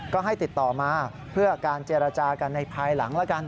ก็ให้ติดต่อมาเพื่อการเจรจากันในภายหลังแล้วกัน